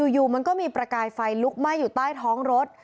อยู่มันก็มีประกายไฟลุกไหม้อยู่ใต้ท้องรถ